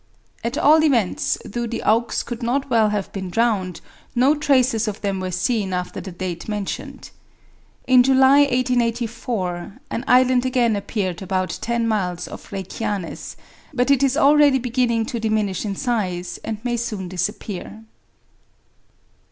At all events, though the auks could not well have been drowned, no traces of them were seen after the date mentioned. In July, 1884, an island again appeared about ten miles off Reykjanes; but it is already beginning to diminish in size, and may soon disappear.